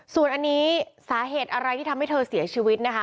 ส่วนอันนี้สาเหตุอะไรที่ทำให้เธอเสียชีวิตนะคะ